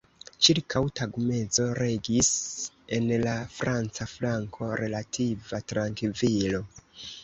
Ĉirkaŭ tagmezo regis en la franca flanko relativa trankvilo.